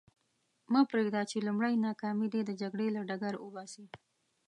مه پرېږده چې لومړۍ ناکامي دې د جګړې له ډګر وباسي.